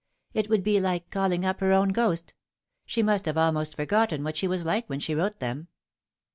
" It would be like calling up her own ghost. She must have almost forgotten what she was like when she wrote them."